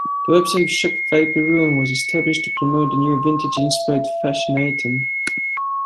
The website Shop Viper Room was established to promote the new vintage-inspired fashion items.